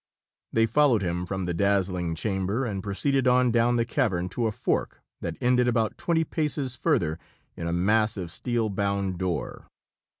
They followed him from that dazzling chamber and proceeded on down the cavern to a fork that ended about twenty paces further in a massive steel bound door.